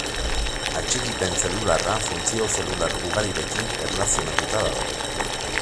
Atxikipen zelularra funtzio zelular ugarirekin erlazionatuta dago.